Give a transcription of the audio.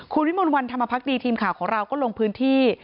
คุณวิมลวันธรรมพักดีทีมข่าวของเราก็ลงพื้นที่